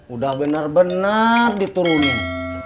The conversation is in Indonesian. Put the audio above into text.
udah bener bener diturunin